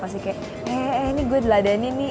pasti kayak eh ini gue diladani nih